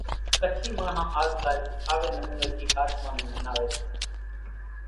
ڪڇي ماڻۿان آز ڪال آوي نموني ٿي ۿاچمان نين مناوي سي۔